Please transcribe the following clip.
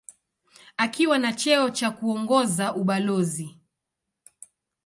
Akiwa na cheo cha kuongoza ubalozi.